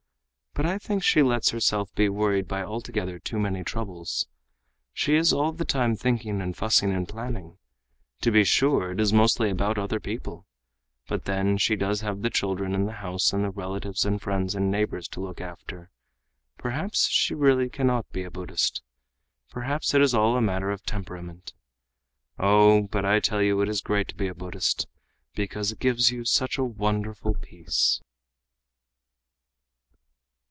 But I think she lets herself be worried by altogether too many troubles. She is all the time thinking and fussing and planning. To be sure, it is mostly about other people, But then she does have the children and the house and the relatives and friends and neighbors to look after. Perhaps she really cannot be a Buddhist. Perhaps it is all a matter of temperament. Oh, but I tell you it is great to be a Buddhist, because it gives you such a wonderful peace."